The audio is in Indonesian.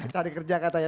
cari kerja katanya